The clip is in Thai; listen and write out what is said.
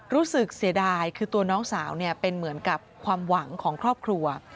รู้สึกเสียดายคือตัวน้องสาวเป็นเหมือนกับความหวังของครอบครัว